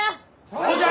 そうじゃ！